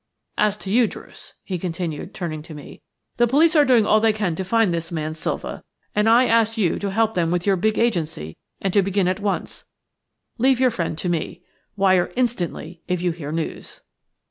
As to you, Druce," he continued, turning to me, "the police are doing all they can to find this man Silva, and I ask you to help them with your big agency, and to begin at once. Leave your friend to me. Wire instantly if you hear news."